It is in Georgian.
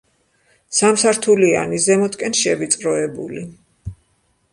სამსართულიანი, ზემოთკენ შევიწროებული.